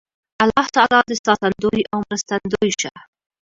الله تعالی دې ساتندوی او مرستندوی شه